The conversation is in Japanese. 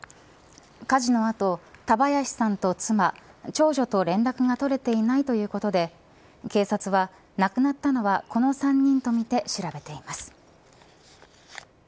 火事の後、田林さんと妻長女と連絡が取れていないということで警察は亡くなったのはこの３人とみて調べています。